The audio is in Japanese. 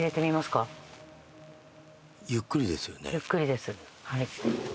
ゆっくりです。